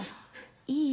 いい？